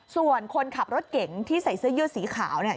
ส่วนคนขับรถเก่งที่ใส่เสื้อยืดสีขาวเนี่ย